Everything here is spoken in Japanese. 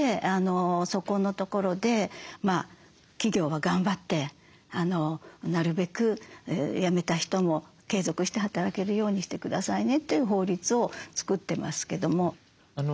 そこのところで企業は頑張ってなるべく辞めた人も継続して働けるようにして下さいねという法律を作ってますけども。